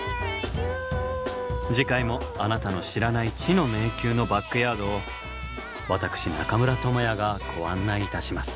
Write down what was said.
次回もあなたの知らない「知の迷宮」のバックヤードを私中村倫也がご案内いたします。